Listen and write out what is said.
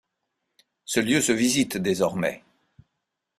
Ce lieu se visite désormais.